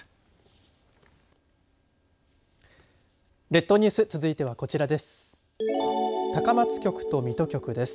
列島ニュース続いては、こちらです。